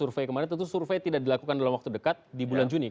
survei kemarin tentu survei tidak dilakukan dalam waktu dekat di bulan juni